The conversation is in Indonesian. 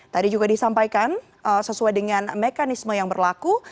tadi juga disampaikan sesuai dengan mekanisme yang berlaku